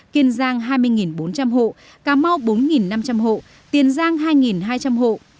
kiên giang hai mươi bốn trăm linh hộ cà mau bốn năm trăm linh hộ tiền giang hai hai trăm linh hộ